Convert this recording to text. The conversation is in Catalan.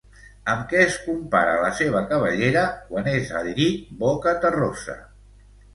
Amb què es compara la seva cabellera quan és al llit boca terrosa?